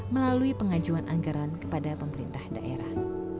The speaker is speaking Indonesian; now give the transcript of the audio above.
melalui pengajuan anggaran kepada pemerintah daerah